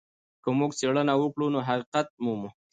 که موږ څېړنه وکړو نو حقيقت مومو.